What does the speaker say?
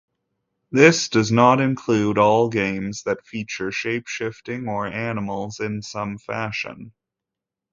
This does not include all games that feature shapeshifting or animals in some fashion.